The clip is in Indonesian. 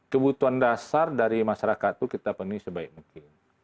kebutuhan dasar dari masyarakat itu kita penuhi sebaik mungkin